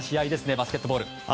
バスケットボール。